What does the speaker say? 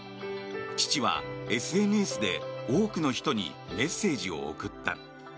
父はＳＮＳで多くの人にメッセージを送った。